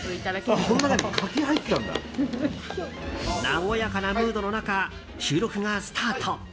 和やかなムードの中収録がスタート。